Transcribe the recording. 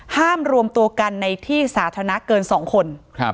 รวมตัวกันในที่สาธารณะเกิน๒คน